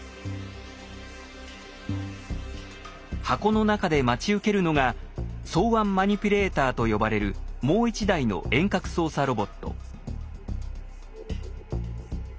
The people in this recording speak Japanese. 箱の中で待ち受けるのが双腕マニピュレーターと呼ばれるもう一台の遠隔操作ロボット。